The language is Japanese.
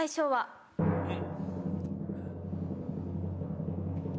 えっ？